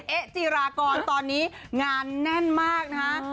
เอ๊ะจีรากรตอนนี้งานแน่นมากนะฮะ